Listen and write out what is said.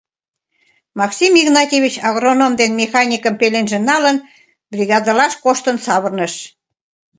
Максим Игнатьевич, агроном ден механикым пеленже налын, бригадылаш коштын савырныш.